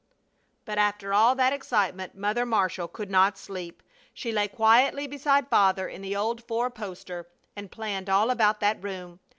But after all that excitement Mother Marshall could not sleep. She lay quietly beside Father in the old four poster and planned all about that room.